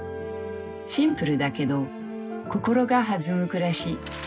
シンプルだけど心が弾む暮らし。